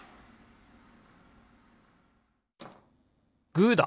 グーだ！